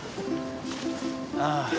ああ。